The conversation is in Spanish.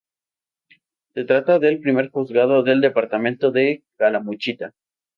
Se trata del primer Juzgado del departamento de Calamuchita.